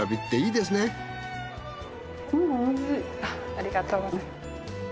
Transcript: ありがとうございます。